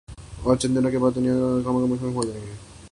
اور چند دن بعد دنیاوی کاموں میں مشغول ہو جائیں